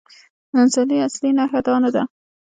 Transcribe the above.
د انسان اصلي نښه دا نه ده.